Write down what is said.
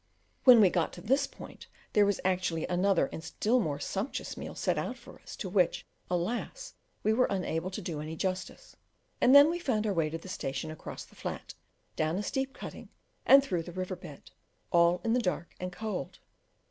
When we got to this point there was actually another and still more sumptuous meal set out for us, to which, alas! we were unable to do any justice; and then we found our way to the station across the flat, down a steep cutting, and through the river bed, all in the dark and cold.